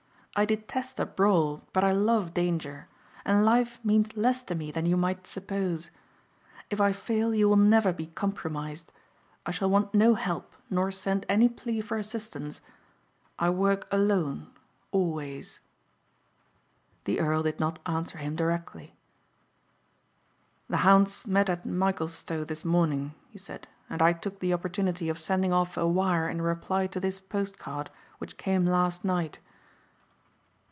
I detest a brawl but I love danger, and life means less to me than you might suppose. If I fail you will never be compromised. I shall want no help nor send any plea for assistance. I work alone always." The earl did not answer him directly. "The hounds met at Michaelstowe this morning," he said, "and I took the opportunity of sending off a wire in reply to this post card which came last night."